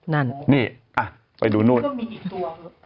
นั่นนี่อ่ะไปดูนู่นต้องมีกี่ตัว